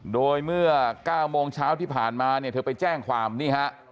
โดยเมื่อ๙โมงเช้าที่ผ่านมาเนี่ยเธอไปแจ้งความนี่ฮะ